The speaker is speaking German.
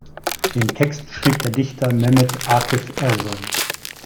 Den Text schrieb der Dichter Mehmet Akif Ersoy.